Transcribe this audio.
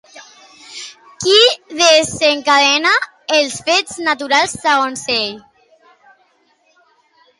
Qui desencadena els fets naturals segons ell?